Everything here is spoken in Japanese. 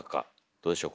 どうでしょう